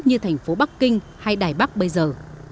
như thành phố bắc kinh hay đài bắc bây giờ